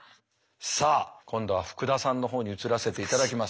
さあ今度は福田さんの方に移らせていただきます。